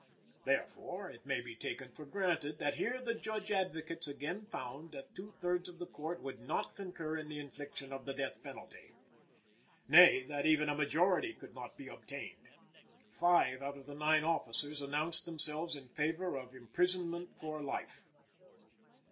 Therefore, it may be taken for granted that here the Judge Advocates again found that two thirds of the Court would not concur in the infliction of the death penalty. Nay, that even a majority could not be obtained. Five out of the nine officers announced themselves in favor of imprisonment for life.